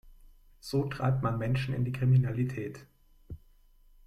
So treibt man Menschen in die Kriminalität.